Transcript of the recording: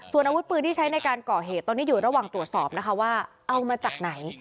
ส่วนอาวุธปืนที่ใช้ในการก่อเหตุตอนนี้อยู่ระหว่างตรวจสอบนะคะว่าเอามาจากไหน